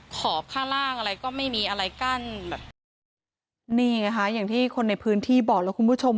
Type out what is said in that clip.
ขอบข้างล่างอะไรก็ไม่มีอะไรกั้นแบบนี่ไงคะอย่างที่คนในพื้นที่บอกแล้วคุณผู้ชม